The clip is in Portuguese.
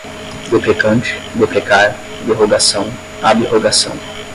deprecante, deprecar, derrogação, ab-rogação